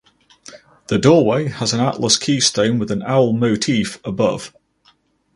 The doorway has an Atlas keystone with an owl motif above.